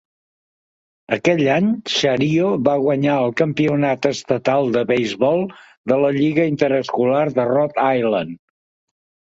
Aquell any, Chariho va guanyar el campionat estatal de beisbol de la lliga interescolar de Rhode Island.